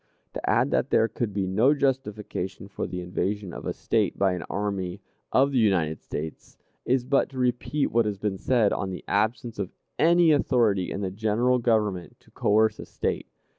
To add that there could be no justification for the invasion of a State by an army of the United States, is but to repeat what has been said, on the absence of any authority in the General Government to coerce a State.